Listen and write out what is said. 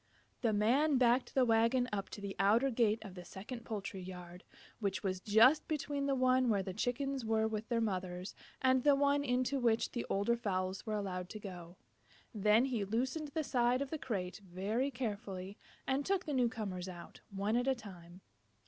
The Man backed the wagon up to the outer gate of the second poultry yard, which was just between the one where the Chickens were with their mothers and the one into which the older fowls were allowed to go. Then he loosened the side of the crate very carefully and took the new comers out, one at a time.